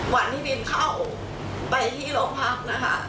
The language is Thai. วันที่บินเข้าไปที่โรงพักนะคะ